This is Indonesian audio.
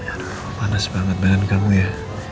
aduh panas banget bahan kamu ya